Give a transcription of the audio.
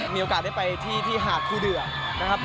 มีโอกาสได้ไปที่หาดภูเดือก